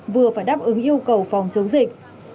vừa phải đáp ứng yêu cầu phòng chống dịch